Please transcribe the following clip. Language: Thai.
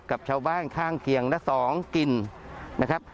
กับชาวบ้านข้างเคียงและสองกินนะครับ